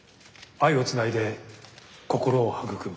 愛をつないで心を育む。